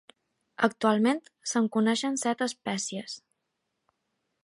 Actualment se"n coneixen set espècies.